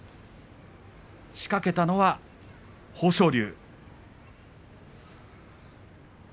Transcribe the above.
仕掛けたのは豊昇龍。